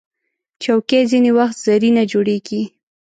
چوکۍ ځینې وخت زرینه جوړیږي.